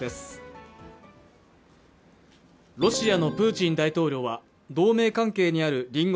ロシアのプーチン大統領は、同盟関係にある隣国